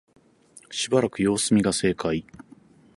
しばらく様子見が正解